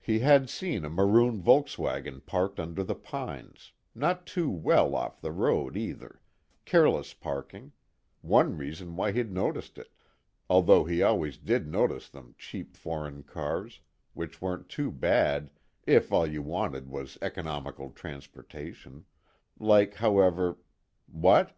He had seen a maroon Volkswagen parked under the pines, not too well off the road either, careless parking, one reason why he'd noticed it, although he always did notice them cheap foreign cars, which weren't too bad if all you wanted was economical transportation, like, however what?